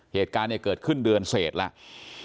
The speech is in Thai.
เหตุการณ์เกิดขึ้นเดือนเศษแล้ว